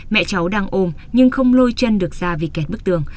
mẹ cháu đang ôm nhưng không lôi chân được da vì kẹt bức tường